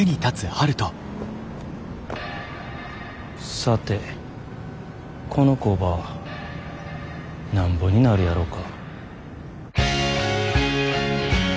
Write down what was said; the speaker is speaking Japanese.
さてこの工場なんぼになるやろか。